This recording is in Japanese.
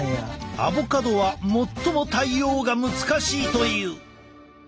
アボカドは最も対応が難しいという。